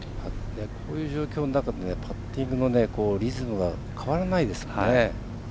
こういう状況の中でパッティングもリズムが変わらないですからね。